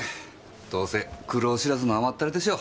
どうせ苦労しらずの甘ったれでしょう。